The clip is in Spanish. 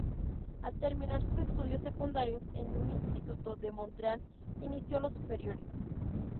Al terminar sus estudios secundarios en un instituto de Montreal, inició los superiores.